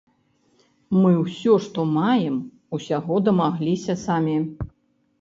Мы ўсё, што маем, усяго дамагліся самі.